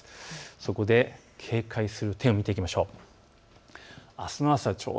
そこで警戒する点を見ていきましょう。